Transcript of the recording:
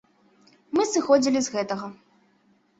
Мы сыходзілі з гэтага.